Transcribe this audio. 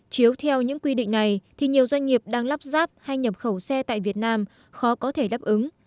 chiếu theo những quy định này thì nhiều doanh nghiệp đang lắp ráp hay nhập khẩu xe tại việt nam khó có thể đáp ứng